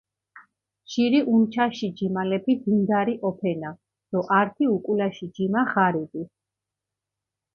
ჟირი უნჩაში ჯიმალეფი დინდარი ჸოფენა დო ართი უკულაში ჯიმა ღარიბი.